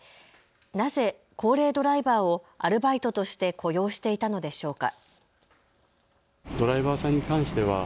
なぜ高齢ドライバーをアルバイトとして雇用していたのでしょうか。